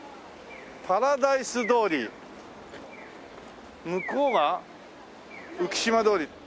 「パラダイス通り」向こうが浮島通り。